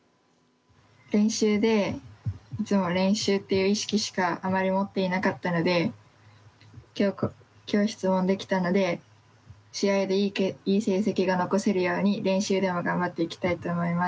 練習でいつも練習っていう意識しかあまり持っていなかったので今日質問できたので試合でいい成績が残せるように練習でも頑張っていきたいと思います。